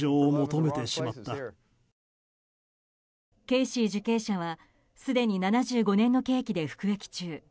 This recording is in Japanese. ケイシー受刑者は、すでに７５年の刑期で服役中。